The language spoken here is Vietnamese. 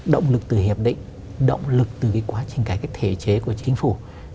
động lực từ hiệp định động lực từ quá trình cải cách thể chế của chính phủ